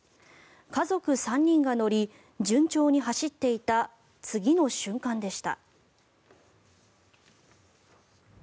家族３人が乗り順調に走っていた次の瞬間でした。